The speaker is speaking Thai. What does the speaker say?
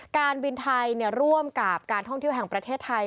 การบินไทยร่วมกับการท่องเที่ยวแห่งประเทศไทย